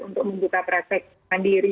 untuk membuka praktek sendiri